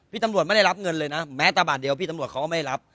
ตำรวจไม่ได้รับเงินเลยนะแม้แต่บาทเดียวพี่ตำรวจเขาก็ไม่รับ